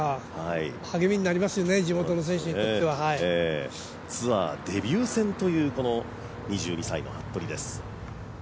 励みになりますよね、地元の選手にとっては。ツアーデビュー戦という２２歳の服部です。